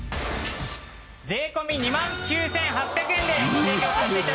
税込２万９８００円でご提供させて頂きます！